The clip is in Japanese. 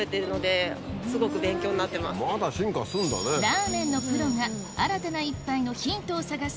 ラーメンのプロが新たな一杯のヒントを探す